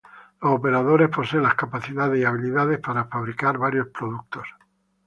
Los operadores poseen las capacidades y habilidades para fabricar varios productos.